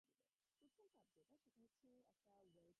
আমি সামুরাই সম্বন্ধে টুকিটাকি জানি।